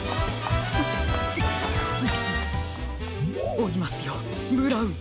おいますよブラウン！